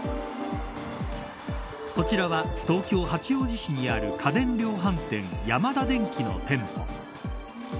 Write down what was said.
こちらは東京、八王子市にある家電量販店ヤマダデンキの店舗。